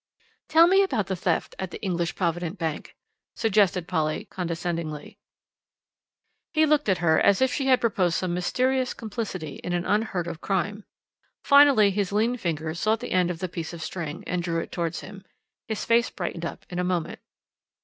"Tell me about the theft at the English Provident Bank," suggested Polly condescendingly. He looked at her, as if she had proposed some mysterious complicity in an unheard of crime. Finally his lean fingers sought the end of the piece of string, and drew it towards him. His face brightened up in a moment.